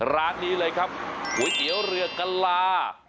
ร้านนี้เลยครับก๋วยเตี๋ยวเรือกะลา